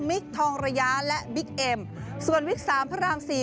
ทองระยะและบิ๊กเอ็มส่วนวิกสามพระรามสี่